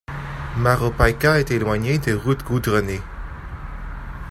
Maropaika est éloigné des routes goudronnées.